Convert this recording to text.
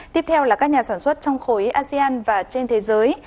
tiếp theo là các nhà sản xuất trong khối asean và trên thế giới